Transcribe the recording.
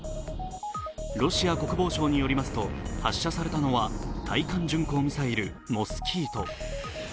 ロシア国防省によりますと発射されたのは対艦巡航ミサイル・モスキート。